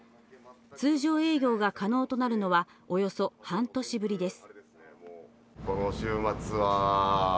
通常営業が可能となるのはおよそ半年ぶりです。